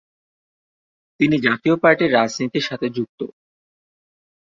তিনি জাতীয় পার্টির এর রাজনীতির সাথে যুক্ত।